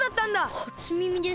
はつみみです。